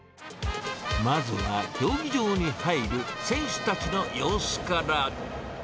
まずは、競技場に入る選手たちの様子から。